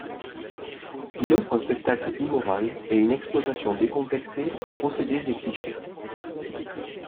Il offre un spectacle immoral et une exploitation décomplexée des procédés et clichés.